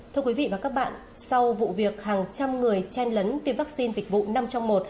thưa quý vị và các bạn sau vụ việc hàng trăm người chen lấn tiêm vaccine dịch vụ năm trong một